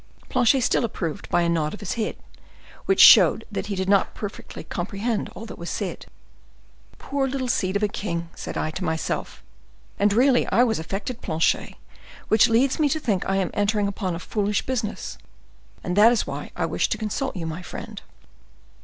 Planchet still approved by a nod of his head, which showed that he did not perfectly comprehend all that was said. "'Poor little seed of a king,' said I to myself, and really I was affected, Planchet, which leads me to think I am entering upon a foolish business. And that is why I wished to consult you, my friend."